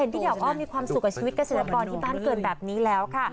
พี่ดาวอ้อมมีความสุขกับชีวิตเกษตรกรที่บ้านเกิดแบบนี้แล้วค่ะ